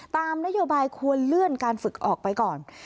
ตามนโยบายควรเลื่อนการฝึกออกไปก่อน